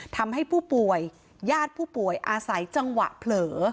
ทำให้ผู้ป่วยญาติผู้ป่วยอาศัยจังหวะเผลอ